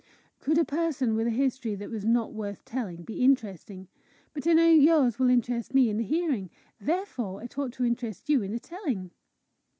"Could a person with a history that was not worth telling, be interesting? But I know yours will interest me in the hearing, therefore it ought to interest you in the telling.